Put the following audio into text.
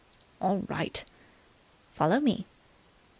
"All right." "Follow me."